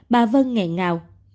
bà vân nghẹn ngào